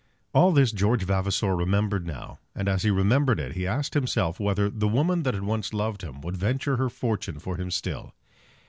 All this George Vavasor remembered now; and as he remembered it he asked himself whether the woman that had once loved him would venture her fortune for him still.